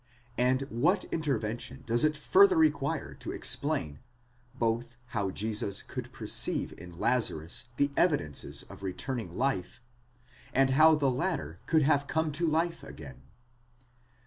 And what inven tion does it further require to explain, both how Jesus could perceive in: Lazarus the evidences of returning life, and how the latter could have come to life again!